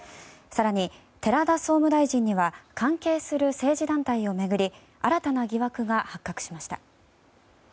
更に、寺田総務大臣には関係する政治団体を巡り新たな疑惑が発覚しました。